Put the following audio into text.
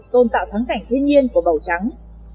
tôn tạo thắng cảnh thiên nhiên của bầu trắng